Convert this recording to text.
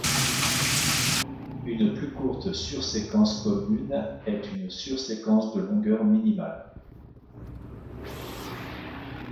Une plus courte sur-séquence commune est une sur-séquence de longueur minimale.